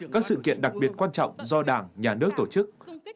các sự kiện đặc biệt quan trọng do đảng nhà nước tổ chức